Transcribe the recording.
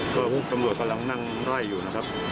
ก็พวกตำรวจกำลังนั่งไล่อยู่นะครับ